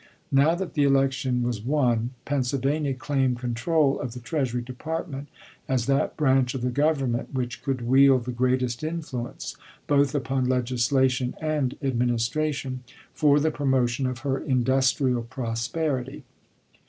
Now that the election was won, Pennsylvania claimed control of the Treasury Department as that branch of the Government which could wield the greatest influ ence, both upon legislation and administration, for the promotion of her industrial prosperity.